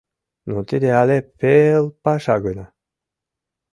— Но тиде але пел паша гына.